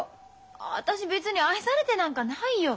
私別に愛されてなんかないよ。